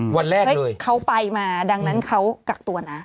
วันแรกเขาไปมาดังนั้นเขากักตัวนะ